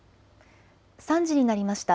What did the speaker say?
３時になりました。